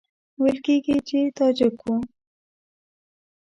ویل کېږي چې تاجک وو.